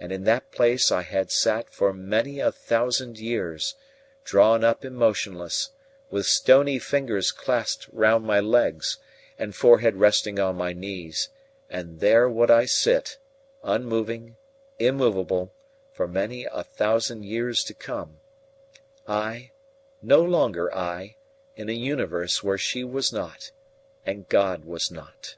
And in that place I had sat for many a thousand years, drawn up and motionless, with stony fingers clasped round my legs, and forehead resting on my knees; and there would I sit, unmoving, immovable, for many a thousand years to come I, no longer I, in a universe where she was not, and God was not.